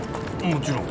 もちろん。